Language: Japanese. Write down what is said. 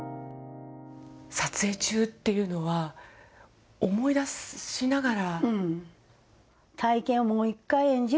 撮影中っていうのは思い出しながら。